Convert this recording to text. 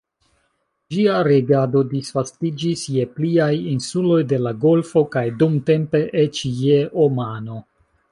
Ĝia regado disvastiĝis je pliaj insuloj de la golfo kaj dumtempe eĉ je Omano.